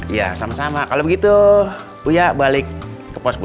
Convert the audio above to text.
iya sama sama kalau begitu uya balik ke pos bu